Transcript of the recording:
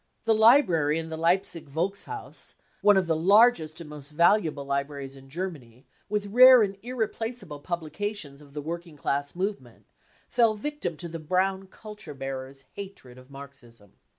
The library in the Leipzig Volkshaus, one of the largest and most valuable libraries in Germany, with rare and irreplaceable publications of the working class movement, fell victim to the Brown cc culture bearers 5 55 hatred of Marxism.